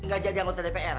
gak jadi anggota dpr